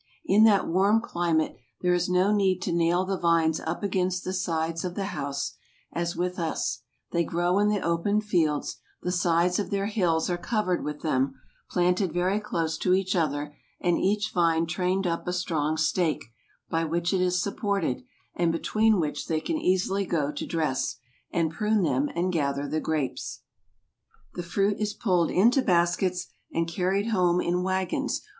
In that warm climate, there is no need to nail the vines up against the sides of a house, as with us: they grow in the open fields, the sides of their hills are covered with them, planted very close to each other, and each vine trained up a strong stake, by which it is supported, and be¬ tween which they can easily go to dress, and prune them, and gather the grapes. The fruit is pulled into baskets, and carried home in wagons 88 FRANCE.